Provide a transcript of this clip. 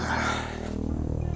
ya udah sayang